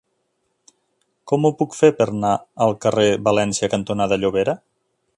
Com ho puc fer per anar al carrer València cantonada Llobera?